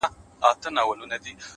کلونه کیږي چي مي هېره ده د یار کوڅه!